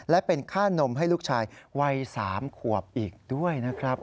และเป็นค่านมให้ลูกชายวัย๓ขวบอีกด้วยนะครับ